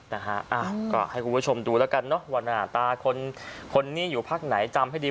นะฮะอ้าวก็ให้คุณผู้ชมดูแล้วกันเนอะว่าหน้าตาคนคนนี้อยู่พักไหนจำให้ดี